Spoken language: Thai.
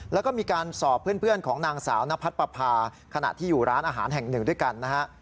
แล้วก็มีการสอบเพื่อนของนางสาวนพัดปภาขณะที่อยู่ร้านอาหารแห่งหนึ่งด้วยกันนะฮะ